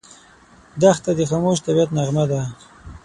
دښته د خاموش طبعیت نغمه ده.